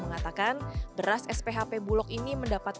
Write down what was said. mengatakan beras sphp bulok ini mendapatkan